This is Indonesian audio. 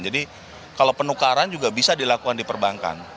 jadi kalau penukaran juga bisa dilakukan di perbankan